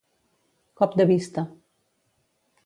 Cop de vista.